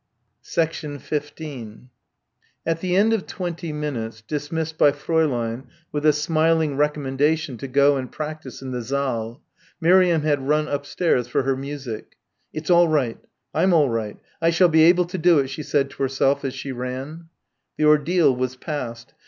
15 At the end of twenty minutes, dismissed by Fräulein with a smiling recommendation to go and practise in the saal, Miriam had run upstairs for her music. "It's all right. I'm all right. I shall be able to do it," she said to herself as she ran. The ordeal was past.